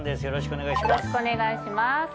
よろしくお願いします。